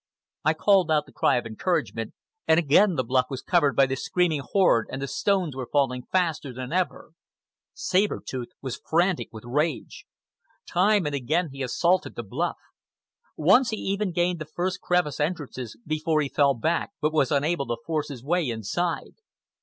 I called out the cry of encouragement, and again the bluff was covered by the screaming horde and the stones were falling faster than ever. Saber Tooth was frantic with rage. Time and again he assaulted the bluff. Once he even gained the first crevice entrances before he fell back, but was unable to force his way inside.